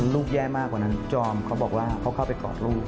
ลูกแย่มากว่านั้นจ้อมเขาเข้าเป็นก็เข้ารู